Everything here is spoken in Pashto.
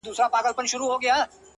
ژوند سرینده نه ده چي بیا یې وږغوم